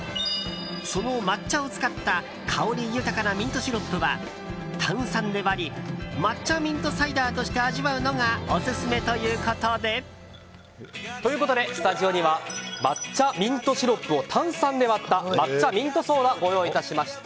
その抹茶を使った香り豊かなミントシロップは炭酸で割り抹茶ミントサイダーとして味わうのがオススメということで。ということでスタジオには抹茶ミントシロップを炭酸で割った抹茶ミントソーダをご用意いたしました。